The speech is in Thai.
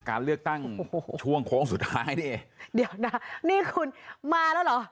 การเลือกตั้งช่วงโค้งสุดท้ายนี่เดี๋ยวนะนี่คุณมาแล้วเหรอ